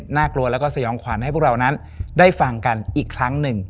น่ากลัวแล้วก็สยองขวัญให้พวกเรานั้นได้ฟังกันอีกครั้งหนึ่ง